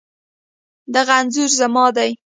دغه انځور زما دی